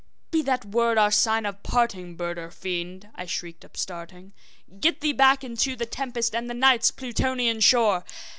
`Be that word our sign of parting, bird or fiend!' I shrieked upstarting `Get thee back into the tempest and the Night's Plutonian shore!